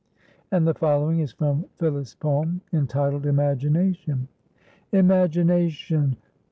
And the following is from Phillis' poem entitled "Imagination": "Imagination!